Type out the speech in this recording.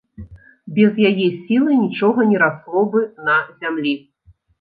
Без яе сілы нічога не расло бы на зямлі.